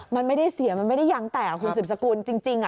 มันไม่ได้เสียมันไม่ได้ยางแตกครับคุณสึนสกุลจริงจริงอ่ะ